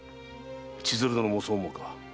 千鶴殿もそう思うか。